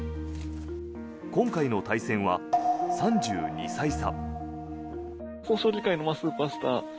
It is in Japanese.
今回の対戦は３２歳差。